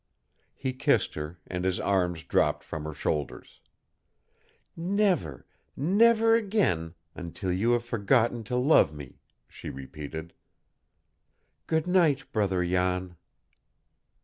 He kissed her, and his arms dropped from her shoulders. "Never, never again until you have forgotten to love me," she repeated. "Good night, Brother Jan!"